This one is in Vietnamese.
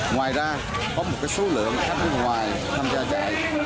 ngoài ra có một số lượng khách nước ngoài tham gia chạy